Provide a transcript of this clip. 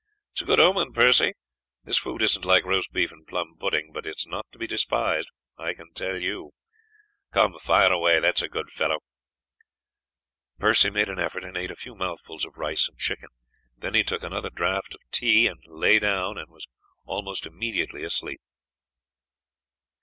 It is a good omen, Percy. This food isn't like roast beef and plum pudding, but it's not to be despised. I can tell you. Come, fire away, that's a good fellow." Percy made an effort and ate a few mouthfuls of rice and chicken, then he took another draught of tea, and lay down, and was almost immediately asleep.